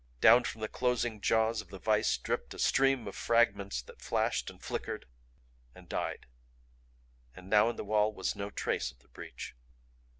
Down from the closing jaws of the vise dripped a stream of fragments that flashed and flickered and died. And now in the wall was no trace of the breach.